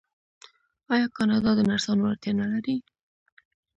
آیا کاناډا د نرسانو اړتیا نلري؟